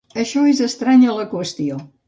Això és estrany a la qüestió.